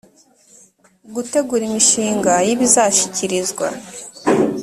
gutegura imishinga y ibizashyikirizwa